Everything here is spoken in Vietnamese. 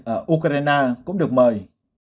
ở ukraine cũng được mời